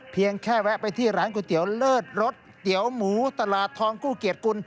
เพียงแค่แวะไปที่ร้านก๋วยเตี๋ยวเลิศรสเตี๋ยวหมูตลาดทองกู้เกียรติกุล